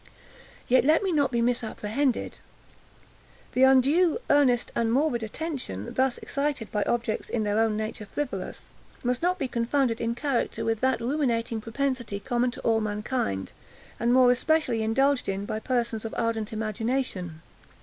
Yet let me not be misapprehended. The undue, earnest, and morbid attention thus excited by objects in their own nature frivolous, must not be confounded in character with that ruminating propensity common to all mankind, and more especially indulged in by persons of ardent imagination.